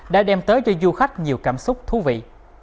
đã đem tới cho du khách nhiều cảm xúc thú vị